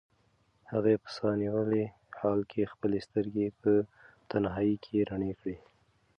هغې په ساه نیولي حال کې خپلې سترګې په تنهایۍ کې رڼې کړې.